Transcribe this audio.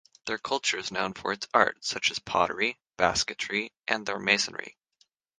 Their culture is known for its art such as pottery, basketry and their masonry.